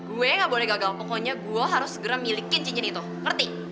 gue gak boleh gagal pokoknya gue harus segera miliki cincin itu ngerti